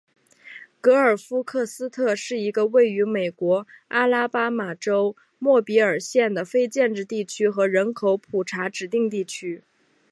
格尔夫克斯特是一个位于美国阿拉巴马州莫比尔县的非建制地区和人口普查指定地区。